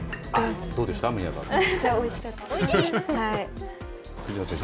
どうでしたか、宮澤選手。